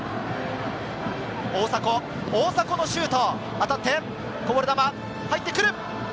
大迫のシュート、当たって、こぼれ球、入ってくる。